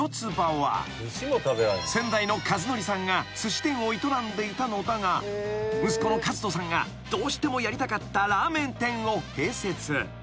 ［先代のカズノリさんがすし店を営んでいたのだが息子のカズトさんがどうしてもやりたかったラーメン店を併設］